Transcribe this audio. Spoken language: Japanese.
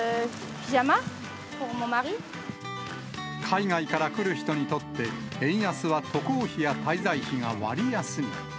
海外から来る人にとって、円安は渡航費や滞在費が割安に。